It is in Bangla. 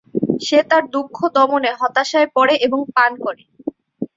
সে তার দু: খ দমনে হতাশায় পড়ে এবং পান করে।